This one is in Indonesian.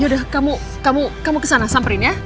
yaudah kamu kesana samperin ya